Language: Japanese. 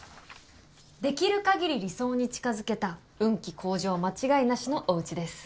できる限り理想に近づけた運気向上間違いなしのおうちです。